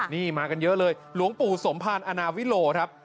นี่มากันเยอะเลยหลวงปู่สมภารอนาวิโลครับ